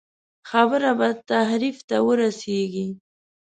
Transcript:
خبره به تحریف ته ورسېږي.